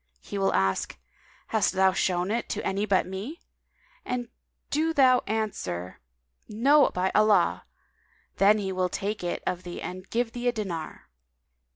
He will ask, 'Hast thou shown it to any but me?;' and do thou answer, "No, by Allah!' then will he take it of thee and give thee a dinar.